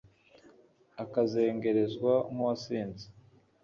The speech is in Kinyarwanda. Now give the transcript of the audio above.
akazengerezwa nk'uwasinze